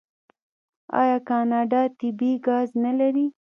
آیا کاناډا طبیعي ګاز نلري؟